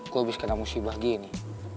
gue habis kena musibah gini